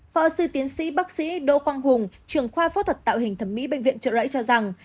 phó sư tiến sĩ bác sĩ đỗ quang hùng trưởng khoa phẫu thuật tạo hình thẩm mỹ bệnh viện trợ rẫy cho rằng